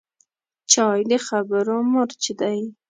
چای د خبرو مرچ دی